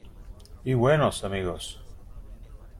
¡ y buenos amigos!...